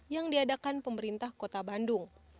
yang diadakan pemerintah kota bandung